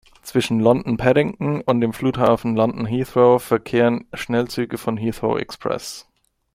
Zwischen London Paddington und dem Flughafen London-Heathrow verkehren Schnellzüge von Heathrow Express.